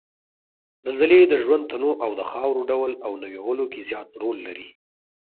زلزلې د ژوند تنوع او د خاورو ډول او نويولو کې زیات رول لري